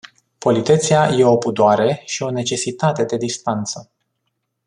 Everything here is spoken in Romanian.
Politețea e o pudoare și o necesitate de distanță.